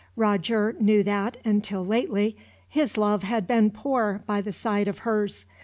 Roger knew that, until lately, his love had been poor by the side of hers.